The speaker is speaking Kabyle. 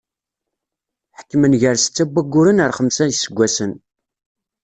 Ḥekmen gar setta n wagguren ar xemsa n yiseggasen.